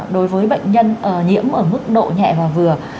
đối với bệnh nhân nhiễm ở mức độ nhẹ và vừa